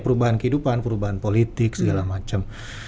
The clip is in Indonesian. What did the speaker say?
perubahan kehidupan perubahan politik segala macam